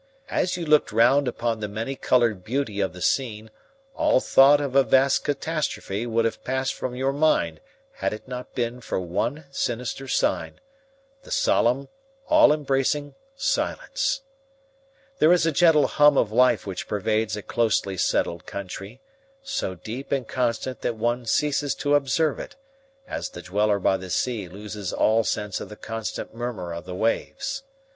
As you looked round upon the many coloured beauty of the scene all thought of a vast catastrophe would have passed from your mind had it not been for one sinister sign the solemn, all embracing silence. There is a gentle hum of life which pervades a closely settled country, so deep and constant that one ceases to observe it, as the dweller by the sea loses all sense of the constant murmur of the waves.